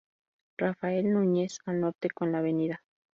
Rafael Núñez, al norte con la Av.